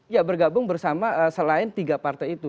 ya bergabung bersama selain tiga partai itu